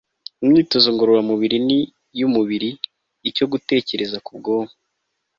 imyitozo ngororamubiri ni iy'umubiri icyo gutekereza ku bwonko